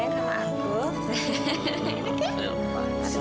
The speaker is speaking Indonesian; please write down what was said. itu ya sayang sama aku